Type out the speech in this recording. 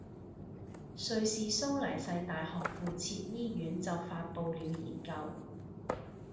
瑞士蘇黎世大學附設醫院就發佈了研究